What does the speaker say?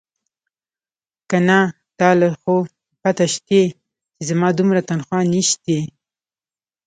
که نه تا له خو پته شتې چې زما دومره تنخواه نيشتې.